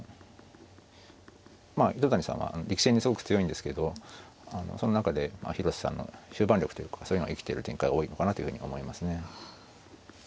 まあ糸谷さんは力戦にすごく強いんですけどその中で広瀬さんの終盤力というかそういうのが生きてる展開が多いのかなというふうに思いますね。